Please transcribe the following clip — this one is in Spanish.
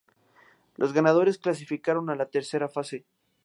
Los ganadores clasificaron a la Tercera fase.